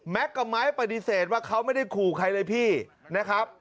กับไม้ปฏิเสธว่าเขาไม่ได้ขู่ใครเลยพี่นะครับ